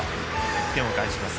１点を返します。